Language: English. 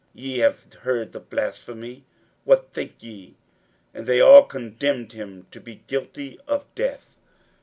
41:014:064 Ye have heard the blasphemy: what think ye? And they all condemned him to be guilty of death.